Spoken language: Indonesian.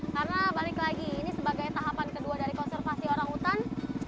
karena balik lagi ini sebagai tahapan kedua dari konservasi orang utan